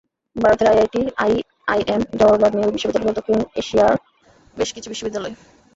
ভারতের IIT, IIM, Jawaharlal Nehru বিশ্ববিদ্যালয়সহ দক্ষিণ এশিয়ার বেশ কিছু বিশ্ববিদ্যালয়।